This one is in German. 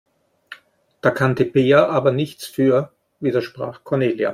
Da kann Tabea aber nichts für, widersprach Cornelia.